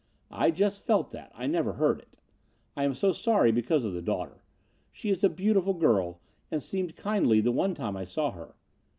I just felt that. I never heard it. I am so sorry because of the daughter. She is a beautiful girl, and seemed kindly, the one time I saw her.